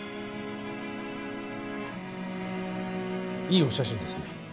いいお写真ですね。